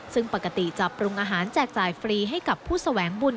ซึ่งปกติจะปรุงอาหารแจกจ่ายฟรีให้กับผู้แสวงบุญ